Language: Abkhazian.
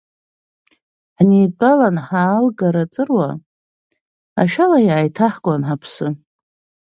Ҳнеидтәалон ҳаалгар аҵыруа, Ашәала иааиҭаҳкуан ҳаԥсы.